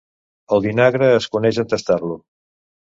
El vinagre es coneix en tastar-lo.